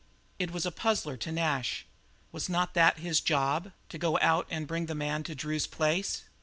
It was a puzzler to Nash. Was not that his job, to go out and bring the man to Drew's place?